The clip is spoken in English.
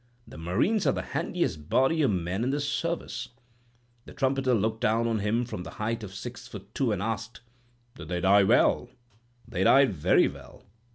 The Marines are the handiest body o' men in the service.' "The trumpeter looked down on him from the height of six foot two, and asked: 'Did they die well?' "'They died very well.